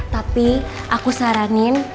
tapi aku saranin